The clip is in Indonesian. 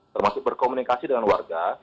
termasuk berkomunikasi dengan warga